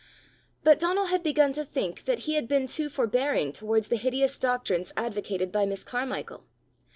But Donal had begun to think that he had been too forbearing towards the hideous doctrines advocated by Miss Carmichael.